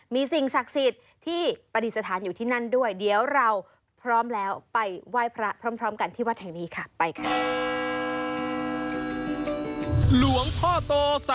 มีสิ่งศักดิ์สิทธิ์ที่ปฏิสถานอยู่ที่นั่นด้วยเดี๋ยวเราพร้อมแล้วไปไหว้พระพร้อมกันที่วัดแห่งนี้ค่ะไปค่ะ